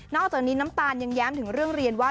อกจากนี้น้ำตาลยังแย้มถึงเรื่องเรียนว่า